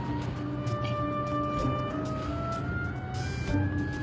えっ。